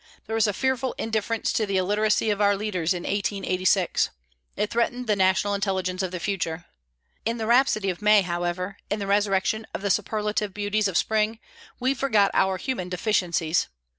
There was a fearful indifference to the illiteracy of our leaders in 1886. It threatened the national intelligence of the future. In the rhapsody of May, however, in the resurrection of the superlative beauties of spring, we forgot our human deficiencies.